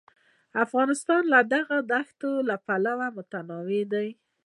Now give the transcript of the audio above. افغانستان له دغو دښتو پلوه متنوع دی.